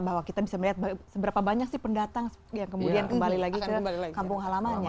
bahwa kita bisa melihat seberapa banyak sih pendatang yang kemudian kembali lagi ke kampung halamannya